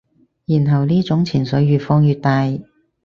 然後呢種情緒越放越大